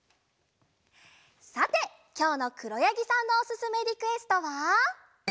さてきょうのくろやぎさんのおすすめリクエストは。